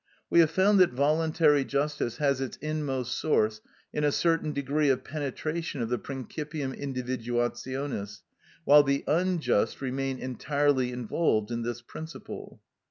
We have found that voluntary justice has its inmost source in a certain degree of penetration of the principium individuationis, while the unjust remain entirely involved in this principle.